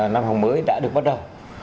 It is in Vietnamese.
năm học mới đã được bắt đầu